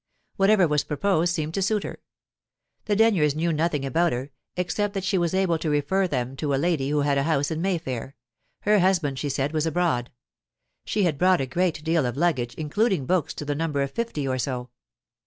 Whatever was proposed seemed to suit her. The Denyers knew nothing about her, except that she was able to refer them to a lady who had a house in Mayfair; her husband, she said, was abroad. She had brought a great deal of luggage, including books to the number of fifty or so.